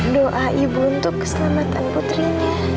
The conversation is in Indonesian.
doa ibu untuk keselamatan putrinya